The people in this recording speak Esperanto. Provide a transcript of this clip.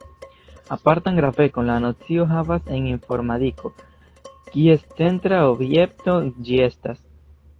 Apartan gravecon la nocio havas en informadiko, kies centra objekto ĝi estas.